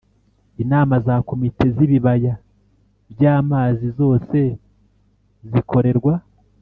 Inama za Komite z ibibaya by amazi zose zikorerwa